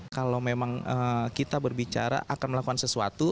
kalau memang kita berbicara akan melakukan sesuatu